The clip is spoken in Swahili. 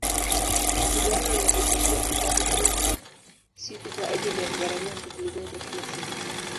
Vijana wanajipatia kipato kila siku kwa ajili ya kugharimia shughuli zao za kila siku